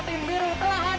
kau nanti lakok understand